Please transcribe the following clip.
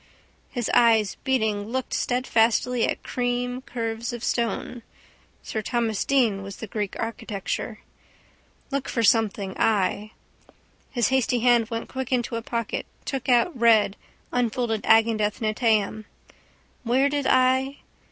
His eyes beating looked steadfastly at cream curves of stone. Sir Thomas Deane was the Greek architecture. Look for something I. His hasty hand went quick into a pocket, took out, read unfolded Agendath Netaim. Where did I?